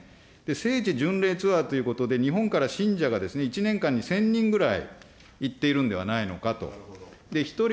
聖地巡礼ツアーということで、日本から信者が１年間に１０００人ぐらい行っているんではないのかと。